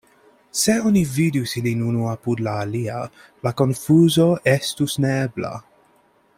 Se oni vidus ilin unu apud la alia, la konfuzo estus neebla.